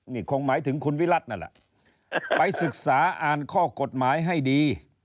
นี่คงหมายถึงคุณวิรัตินั่นแหละไปศึกษาอ่านข้อกฎหมายให้ดี